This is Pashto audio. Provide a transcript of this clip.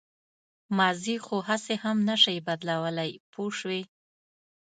ماضي خو هسې هم نه شئ بدلولی پوه شوې!.